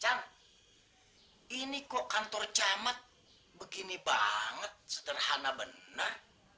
cang ini kok kantor cemet begini banget sederhana benar